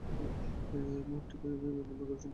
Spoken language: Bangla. মঠটি কে এবং কবে নির্মাণ করেছিলেন এ ব্যাপারে সন্দেহ রয়েছে।